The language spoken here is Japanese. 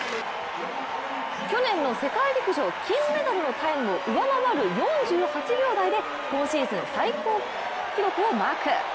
去年の世界陸上金メダルのタイムを上回る４８秒台で今シーズン最高記録をマーク。